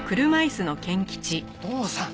お父さん！